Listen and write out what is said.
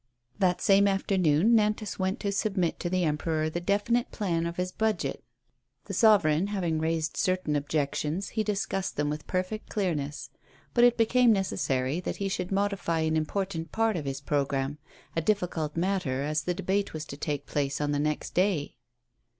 That same afternoon Nantas went to submit to the Emperor the definite plan of his Budget. The sovereign, 102 TREACHEEY. having raised certain objections, he discussed them with perfect clearness. But it became necessary that he should modify an important part of his programme — a difficult matter, as the debate was to take place on the next day.